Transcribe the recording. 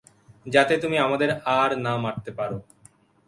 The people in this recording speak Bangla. যাতে তুমি আমাদের আর না মারতে পার।